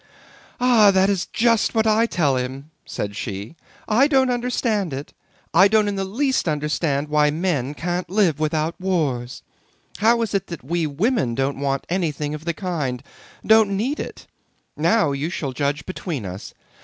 "Ah, that is just what I tell him!" said she. "I don't understand it; I don't in the least understand why men can't live without wars. How is it that we women don't want anything of the kind, don't need it? Now you shall judge between us.